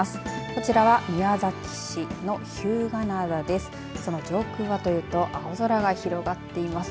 こちらは宮崎市の日向灘です。